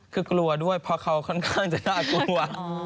คือกลัวด้วยเพราะเขาค่อนข้างจะน่ากลัว